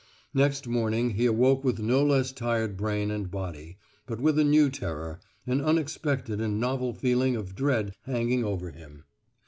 Next morning he awoke with no less tired brain and body, but with a new terror, an unexpected and novel feeling of dread hanging over him.